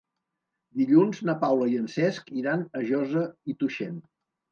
Dilluns na Paula i en Cesc iran a Josa i Tuixén.